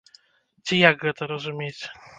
Ці як гэта разумець?